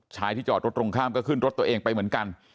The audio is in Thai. ที่จอดรถตรงข้ามก็ขึ้นรถตัวเองไปเหมือนกัน